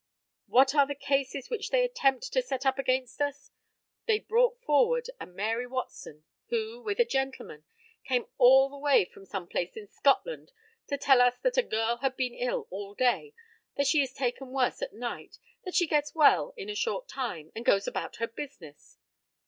What are the cases which they attempt to set up against us? They brought forward a Mary Watson, who, with a gentleman, came all the way from some place in Scotland to tell us that a girl had been ill all day, that she is taken worse at night, that she gets well in a short time, and goes about her business.